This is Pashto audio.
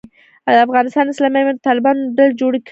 د افغانستان اسلامي امارت د طالبانو ډلې جوړ کړی دی.